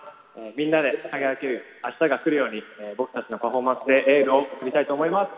みんなで輝ける明日が来るように僕たちのパフォーマンスでエールを送りたいと思います！